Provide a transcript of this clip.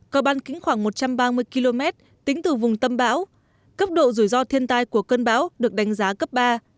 có ban kính khoảng một trăm ba mươi km tính từ vùng tâm bão cấp độ rủi ro thiên tai của cơn bão được đánh giá cấp ba